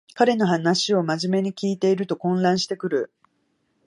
彼の話をまじめに聞いてると混乱してくる